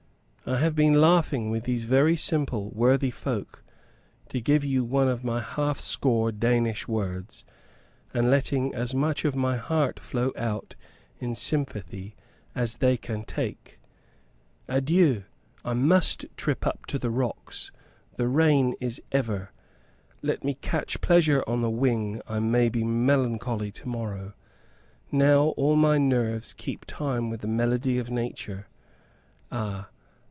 I have been laughing with these simple worthy folk to give you one of my half score Danish words and letting as much of my heart flow out in sympathy as they can take. Adieu! I must trip up the rocks. The rain is over. Let me catch pleasure on the wing I may be melancholy to morrow. Now all my nerves keep time with the melody of nature. Ah!